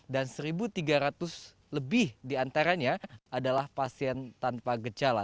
dan satu tiga ratus lebih di antaranya adalah pasien tanpa gejala